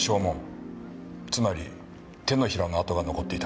つまり手のひらの跡が残っていた。